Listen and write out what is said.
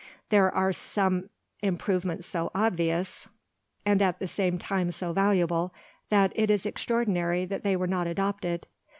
There are some improvements so obvious, and at the same time so valuable, that it is extraordinary that they were not adopted.